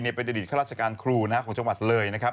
ในประดิษฐ์ข้าราชการครูของจังหวัดเลยนะครับ